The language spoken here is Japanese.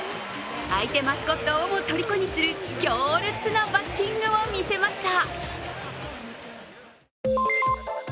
相手マスコットをもとりこにする強烈なバッティングを見せました。